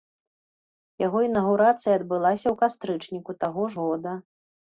Яго інаўгурацыя адбылася ў кастрычніку таго ж года.